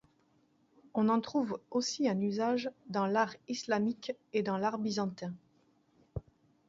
On en trouve aussi un usage dans l'art islamique et dans l'art byzantin.